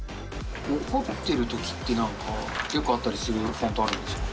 怒ってるときって、なんか、よくあったりするフォントあるんですか。